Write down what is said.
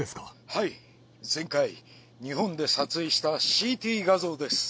はい前回日本で撮影したＣＴ画像です